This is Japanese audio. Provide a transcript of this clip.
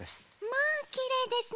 まあきれいですねえ。